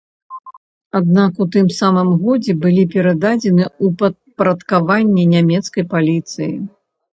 Аднак у тым самым годзе былі перададзены ў падпарадкаванне нямецкай паліцыі.